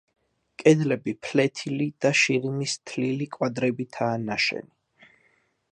კედლები ფლეთილი და შირიმის თლილი კვადრებითაა ნაშენი.